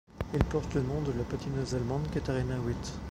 Il porte le nom de la patineuse allemande Katarina Witt.